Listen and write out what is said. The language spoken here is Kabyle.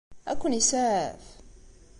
Ad ken-isaɛef?